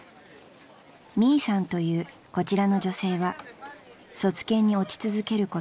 ［ミイさんというこちらの女性は卒検に落ち続けること９カ月］